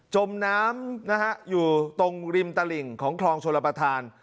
จมน้ำนะฮะอยู่ตรงริมตลิ่งของคลองชลประธาน